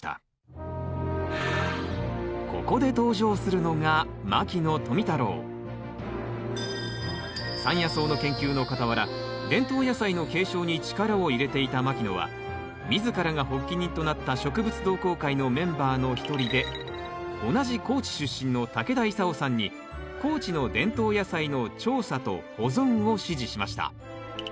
ここで登場するのが山野草の研究の傍ら伝統野菜の継承に力を入れていた牧野は自らが発起人となった植物同好会のメンバーの一人で同じ高知出身の竹田功さんに高知の伝統野菜の調査と保存を指示しました。